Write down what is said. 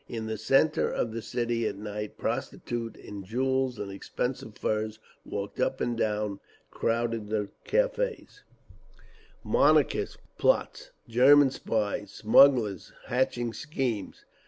In the centre of the city at night prostitutes in jewels and expensive furs walked up and down, crowded the cafés…. Monarchist plots, German spies, smugglers hatching schemes….